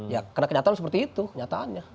ya karena kenyataan seperti itu kenyataannya